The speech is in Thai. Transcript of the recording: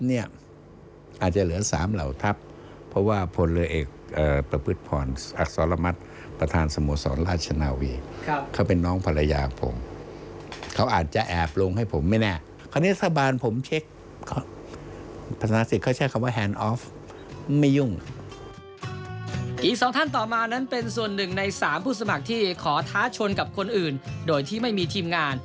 อีกสองท่านต่อมานั้นเป็นส่วนหนึ่งในสามผู้สมัครที่ขอท้าชนกับคนอื่นโดยที่ไม่มีทีมงาน